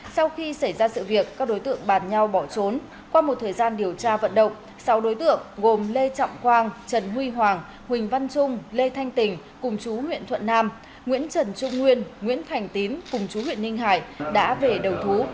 sau khi xảy ra sự việc các đối tượng bàn nhau bỏ trốn qua một thời gian điều tra vận động sáu đối tượng gồm lê trọng quang trần huy hoàng huỳnh văn trung lê thanh tình cùng chú huyện thuận nam nguyễn trần trung nguyên nguyễn thành tín cùng chú huyện ninh hải đã về đầu thú